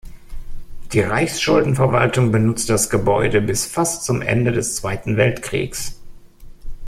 Die Reichsschuldenverwaltung benutzte das Gebäude bis fast zum Ende des Zweiten Weltkriegs.